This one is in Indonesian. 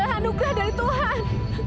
itu adalah anugerah dari tuhan